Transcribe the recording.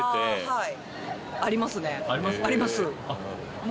はい。